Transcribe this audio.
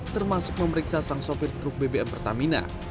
termasuk memeriksa sang sopir truk bbm pertamina